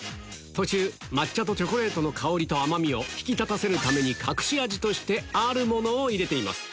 途中抹茶とチョコレートの香りと甘みを引き立たせるため隠し味としてあるものを入れています